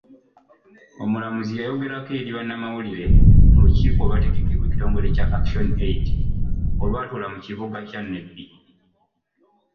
Omulamuzi yayogerako eri bannamawulire mu lukiiko olwategekebwa ekitongile Kya Action Aid olwatuula mu kibuga kya Nebbi.